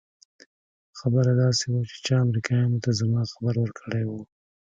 خبره داسې وه چې چا امريکايانو ته زما خبر ورکړى و.